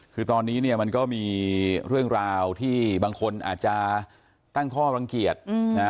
คือตอนนี้เนี่ยมันก็มีเรื่องราวที่บางคนอาจจะตั้งข้อรังเกียจนะ